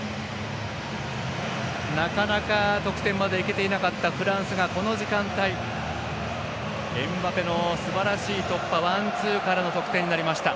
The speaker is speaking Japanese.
なかなか得点までいけてなかったフランスがこの時間帯、エムバペのすばらしい突破ワンツーからの得点になりました。